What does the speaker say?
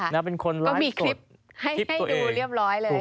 ค่ะมีคลิปให้ดูเรียบร้อยเลยเป็นคนไลฟ์สดคลิปตัวเอง